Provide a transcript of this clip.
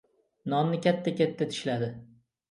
Nonni katta-katta tishladi.